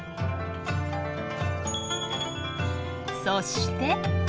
そして。